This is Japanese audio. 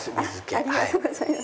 ありがとうございます。